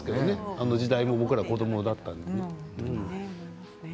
あの時代、僕ら子どもだったので。